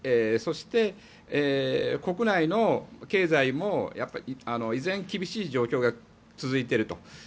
そして、国内の経済も依然厳しい状況が続いていると。